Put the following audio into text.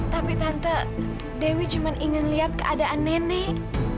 tapi tante dewi cuma ingin lihat keadaan nenek